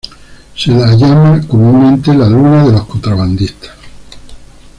Se la llama comúnmente la "luna de los contrabandistas".